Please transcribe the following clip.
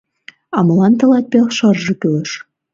— А молан тылат пелшырже кӱлеш?